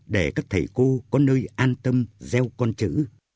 để các thầy cô có nơi an tâm gieo con chữ